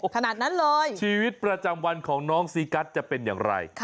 ขนาดนั้นเลยชีวิตประจำวันของน้องซีกัสจะเป็นอย่างไร